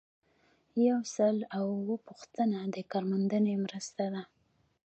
یو سل او اووه پوښتنه د کارموندنې مرسته ده.